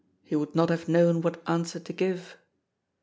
He would not have known what answer to give.